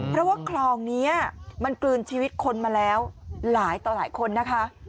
เพราะว่าคลองนี้มันกลืนชีวิตคนมาแล้วหลายต่อหลายคนนะคะ